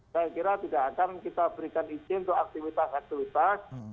saya kira tidak akan kita berikan izin untuk aktivitas aktivitas